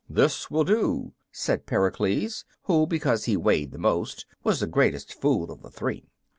"This will do," said Pericles, who, because he weighed the most, was the greatest fool of the three.